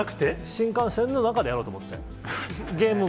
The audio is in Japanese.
新幹線の中でやろうと思って。